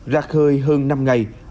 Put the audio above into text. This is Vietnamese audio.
rạc hơi hơn năm ngày